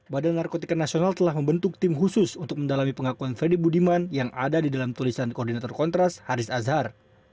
badan narkotika nasional telah membentuk tim khusus untuk mendalami pengakuan freddy budiman yang ada di dalam tulisan koordinator kontras haris azhar